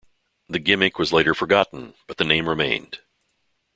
The gimmick was later forgotten, but the name remained.